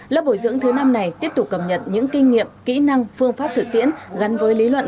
lớp bồi dưỡng thứ năm này tiếp tục cập nhật những kinh nghiệm kỹ năng phương pháp thực tiễn gắn với lý luận